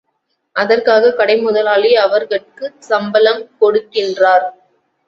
அதற்காகக் கடை முதலாளி அவர்கட்குச் சம்பளம் கொடுக்கின்றார்.